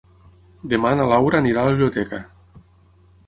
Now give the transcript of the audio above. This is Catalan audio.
Demà na Laura anirà a la biblioteca.